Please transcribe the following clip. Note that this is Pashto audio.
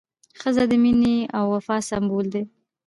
ښځه د مینې او وفا سمبول ده.